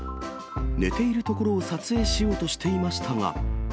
寝ているところを撮影しようとしていましたが。